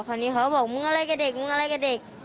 คราวนี้เขาก็บอกมึงอะไรกับเด็กมึงอะไรกับเด็ก